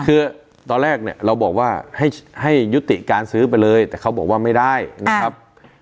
คือตอนแรกเนี่ยเราบอกว่าให้ยุติการซื้อไปเลยแต่เขาบอกว่าไม่ได้นะครับ